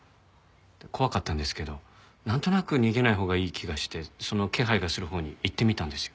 怖かったんですけどなんとなく逃げないほうがいい気がしてその気配がするほうに行ってみたんですよ。